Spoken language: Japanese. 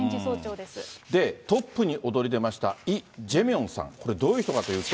で、トップに躍り出ましたイ・ジェミョンさん、どういう人かというと。